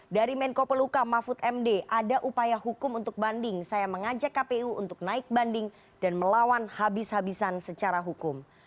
dari menko peluka mahfud md ada upaya hukum untuk banding saya mengajak kpu untuk naik banding dan melawan habis habisan secara hukum